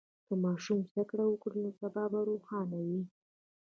که ماشوم زده کړه وکړي، نو سبا به روښانه وي.